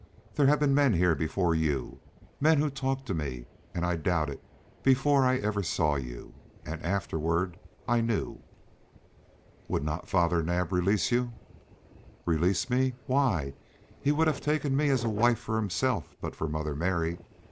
There have been men here before you, men who talked to me, and I doubted before I ever saw you. And afterward I knew." "Would not Father Naab release you?" "Release me? Why, he would have taken me as a wife for himself but for Mother Mary.